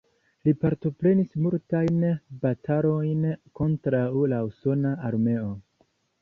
Li partoprenis multajn batalojn kontraŭ la usona armeo.